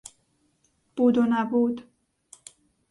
بود و نبود